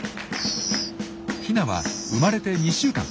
ヒナは生まれて２週間。